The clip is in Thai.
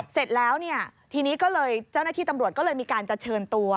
เสร็จแล้วเนี่ยทีนี้ก็เลยเจ้าหน้าที่ตำรวจก็เลยมีการจะเชิญตัว